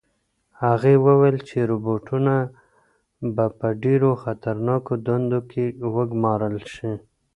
هغه وویل چې روبوټونه به په ډېرو خطرناکو دندو کې وګمارل شي.